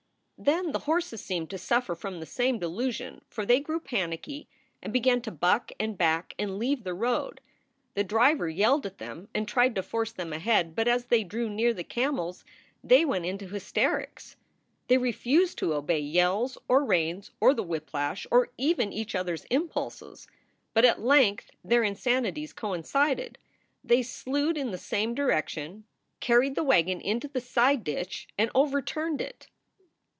Then the horses seemed to suffer from the same delusion, for they grew panicky and began to buck and back and leave the road. The driver yelled at them and tried to force them ahead, but as they drew near the camels they went into hysterics. They refused to obey yells or reins or the whiplash or even each other s impulses. But at length their insanities coincided; they slewed in the same direction, carried the wagon into the side ditch, and overturned it.